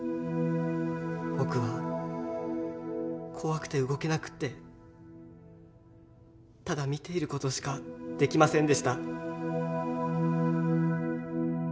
僕は怖くて動けなくてただ見ている事しかできませんでした。